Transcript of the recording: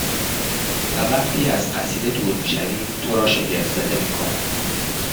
و وقتی از قصیده دور می شوی تو را شگفتزده میکند